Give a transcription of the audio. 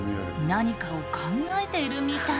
何かを考えているみたい。